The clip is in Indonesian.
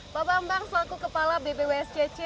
pak bambang selaku kepala bpwscc